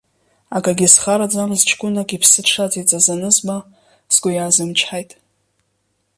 Акагьы зхараӡамыз ҷкәынак иԥсы дшаҵаиҵаз анызба, сгәы иаазымычҳаит!